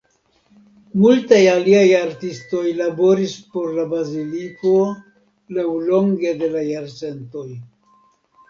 Multaj aliaj artistoj laboris por la baziliko laŭlonge de la jarcentoj.